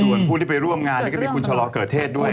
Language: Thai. ส่วนผู้ที่ไปร่วมงานนี่ก็มีคุณชะลอเกิดเทศด้วย